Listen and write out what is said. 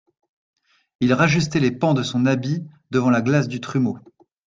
Il rajustait les pans de son habit devant la glace du trumeau.